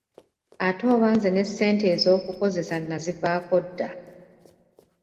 Ate oba nze ne ssente ez’okukozesa nazivaako dda!